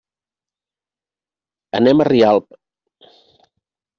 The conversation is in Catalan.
Anem a Rialp.